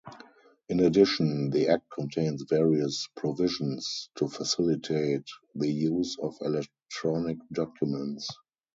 In addition, the Act contains various provisions to facilitate the use of electronic documents.